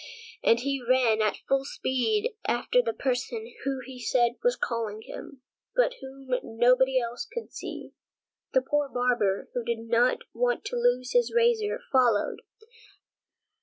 And he ran at full speed after the person who, he said, was calling him, but whom nobody else could see. The poor barber, who did not want to lose his razor, followed.